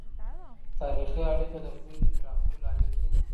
تاریخي اړیکه د پوهې د پراخولو لامل کیږي.